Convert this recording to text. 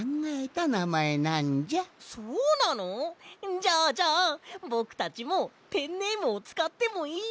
じゃあじゃあぼくたちもペンネームをつかってもいいの？